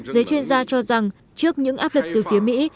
giới chuyên gia cho rằng trước những áp lực từ phía mỹ